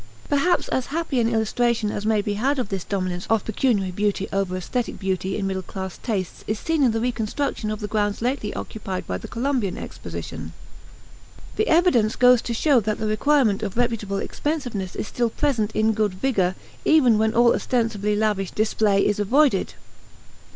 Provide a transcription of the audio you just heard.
Perhaps as happy an illustration as may be had of this dominance of pecuniary beauty over aesthetic beauty in middle class tastes is seen in the reconstruction of the grounds lately occupied by the Columbian Exposition. The evidence goes to show that the requirement of reputable expensiveness is still present in good vigor even where all ostensibly lavish display is avoided.